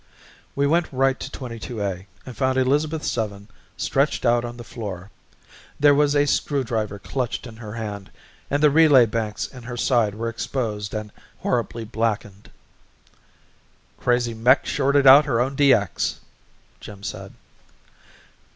We went right to 22A and found Elizabeth Seven stretched out on the floor. There was a screwdriver clutched in her hand and the relay banks in her side were exposed and horribly blackened. "Crazy mech shorted out her own DX," Jim said.